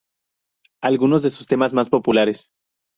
Algunos de sus temas más populares.